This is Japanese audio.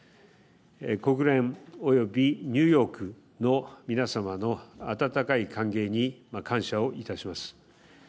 国連及びニューヨークの皆様の温かい歓迎に感謝をいたします。